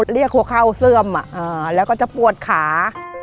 หัวเข่าเสื่อมแล้วก็จะปวดขา